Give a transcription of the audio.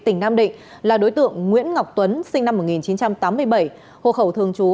tỉnh nam định là đối tượng nguyễn ngọc tuấn sinh năm một nghìn chín trăm tám mươi bảy hộ khẩu thường trú